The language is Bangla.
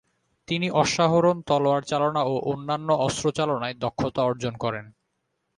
তিনি অশ্বারোহণ, তলোয়ার চালনা ও অন্যান্য অস্ত্রচালনায় দক্ষতা অর্জন করেন।